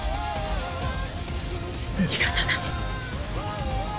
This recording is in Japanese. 逃がさない。